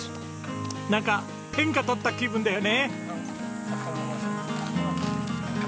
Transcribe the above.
なんか天下取った気分だよね！